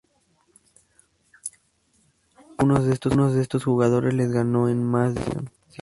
A algunos de estos jugadores les ganó en más de una ocasión.